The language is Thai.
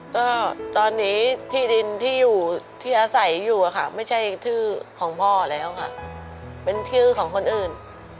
ก็ตอนนี้ที่ดินที่อยู่ที่อาศัยอยู่ค่ะไม่ใช่ชื่อของพ่อแล้วค่ะเป็นชื่อของคนอื่น